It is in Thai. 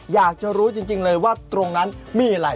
อยากจะรู้จริงเลยว่าตรงนั้นมีอะไร